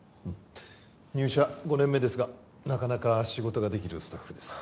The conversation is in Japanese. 入社５年目ですがなかなか仕事ができるスタッフです